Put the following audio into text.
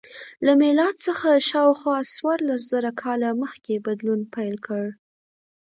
له میلاد څخه شاوخوا څوارلس زره کاله مخکې بدلون پیل کړ.